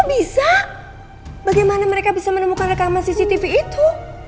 bisa bagaimana mereka bisa menemukan rekaman cctv itu